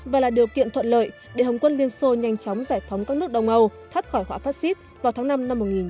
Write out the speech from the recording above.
và là điều kiện thuận lợi để hồng quân liên xô nhanh chóng giải phóng các nước đông âu thoát khỏi họa phát xít vào tháng năm năm một nghìn chín trăm bảy mươi